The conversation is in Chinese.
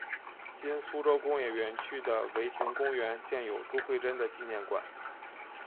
今苏州工业园区的唯亭公园建有朱慧珍的纪念馆。